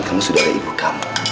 kamu sudah ada ibu kamu